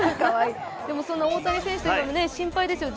その大谷選手といえば心配ですよね